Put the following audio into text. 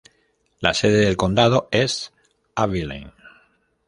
La sede de condado es Abilene.